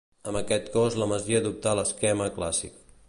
Amb aquest cos la masia adoptà l'esquema clàssic.